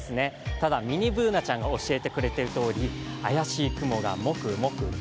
ただミニＢｏｏｎａちゃんが教えてくれているとおり怪しい雲がもくもくと。